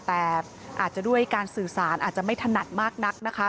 แต่อาจจะด้วยการสื่อสารอาจจะไม่ถนัดมากนักนะคะ